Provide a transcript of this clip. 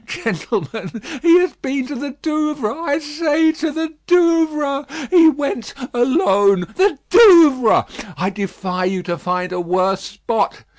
Gentlemen, he has been to the Douvres; I say to the Douvres. He went alone. The Douvres! I defy you to find a worse spot.